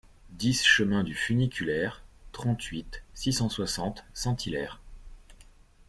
dix chemin du Funiculaire, trente-huit, six cent soixante, Saint-Hilaire